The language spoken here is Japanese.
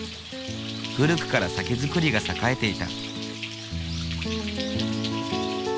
古くから酒造りが栄えていた。